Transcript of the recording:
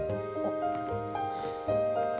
あっ。